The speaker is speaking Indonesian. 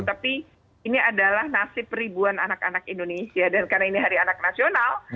tapi ini adalah nasib ribuan anak anak indonesia dan karena ini hari anak nasional